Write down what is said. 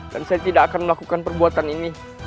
dan saya tidak akan melakukan perbuatan ini